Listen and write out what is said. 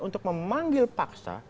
untuk memanggil paksa